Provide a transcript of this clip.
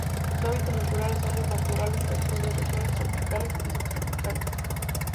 Su hábitat natural son los matorrales secos de regiones tropicales y subtropicales.